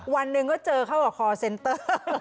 วันหนึ่งก็เจอเข้ากับคอร์เซ็นเตอร์